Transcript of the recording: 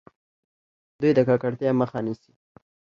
دوی د ککړتیا مخه نیسي.